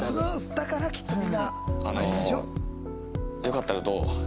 だからきっとみんな。